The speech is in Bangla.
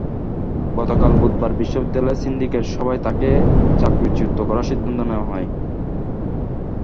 গতকাল বুধবার বিশ্ববিদ্যালয়ের সিন্ডিকেট সভায় তাঁকে চাকরিচ্যুত করার সিদ্ধান্ত নেওয়া হয়।